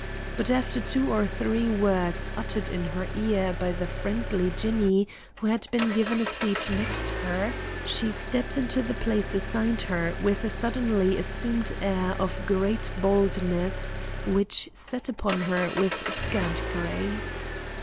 But after two or three words uttered in her ear by the friendly Jinny, who had been given a seat next her, she stepped into the place assigned her with a suddenly assumed air of great boldness, which sat upon her with scant grace.